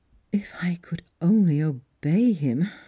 " If I could only obey him